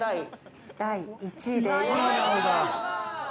第１位です。